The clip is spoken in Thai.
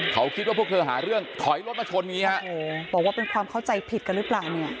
เขาคิดว่าพวกเธอหาเรื่องถอยรถมาชนอย่างนี้ฮะโอ้โหบอกว่าเป็นความเข้าใจผิดกันหรือเปล่าเนี่ย